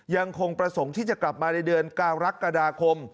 ยังคงประสงค์ที่จะกลับมาในเดือนกรกฎาคม